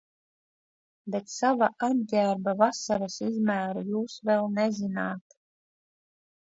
Bet sava apģērba vasaras izmēru jūs vēl nezināt